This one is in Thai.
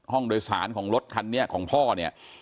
ห้องโดยสารของรถคันนี้ของพ่อเนี่ย